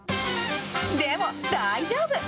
でも、大丈夫。